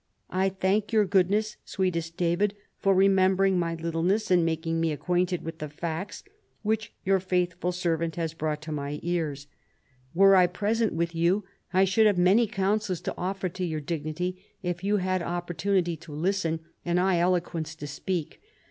I thank your Goodness, sweetest David, for remembering my littleness and making me acquainted with the facts which your faithful servant has brought to my ears. Were I present CAROLUS AUGUSTUS. 253 with you I should have many counsels to offer to your Dignity, if you had opportunity to listen or I eloquence to speak.